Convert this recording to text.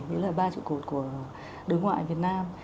đấy là ba trụ cột của đối ngoại việt nam